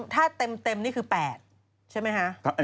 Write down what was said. ถ้าเต็มนี่คือ๘ใช่ไหมคะ